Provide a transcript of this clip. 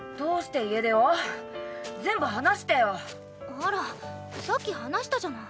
あらさっき話したじゃない。